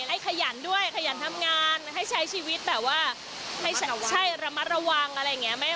ให้ขยันด้วยขยันทำงานให้ใช้ชีวิตแบบว่าให้ระมัดระวังอะไรอย่างนี้